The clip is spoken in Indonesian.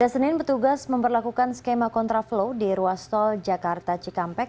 senin petugas memperlakukan skema kontraflow di ruas tol jakarta cikampek